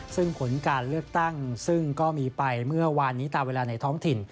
ซึ่งผลการเลือกตั้งซึ่งก็มีไปเมื่อวานนี้ตามเวลาในท้องถิ่น